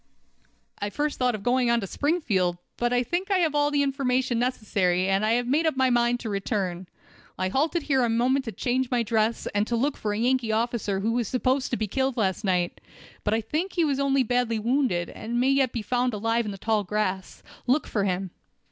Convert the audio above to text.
"I first thought of going on to Springfield, but I think I have all the information necessary, and I had made up my mind to return. I halted here a moment to change my dress; and to look for a Yankee officer who was supposed to be killed last night. But I think he was only badly wounded, and may yet be found alive in the tall grass. Look for him."